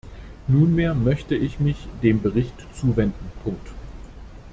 Nunmehr möchte ich mich dem Bericht zuwenden.